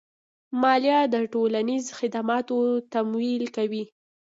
مالیه د ټولنیزو خدماتو تمویل کوي.